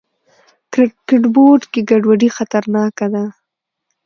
کرکټ بورډ کې ګډوډي خطرناکه ده.